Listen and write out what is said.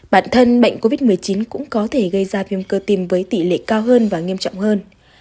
bản thân bệnh covid một mươi chín cũng có thể gây ra viêm cơ tim với tỷ lệ cao hơn và nghiêm trọng hơn